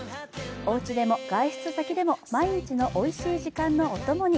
おうちでも外出先でも、毎日のおいしい時間のお供に。